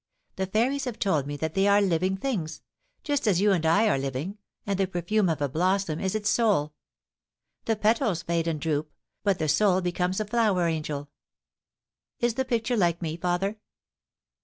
The fairies have told me that they are living things — ^just as you and I are living, and the perfume of a blossom is its souL The petals fade and droop, but the soul becomes a flower angeL ... Is the picture like me, father